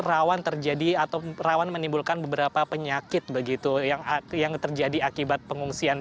rawan terjadi atau rawan menimbulkan beberapa penyakit begitu yang terjadi akibat pengungsian